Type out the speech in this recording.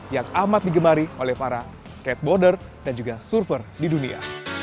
yang amat digemari oleh para skateboarder dan juga surfer di dunia